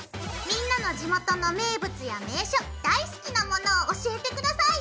みんなの地元の名物や名所大好きなものを教えて下さい！